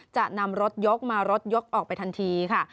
จะนำรถยกมารถยกออกไปทันทีค่ะ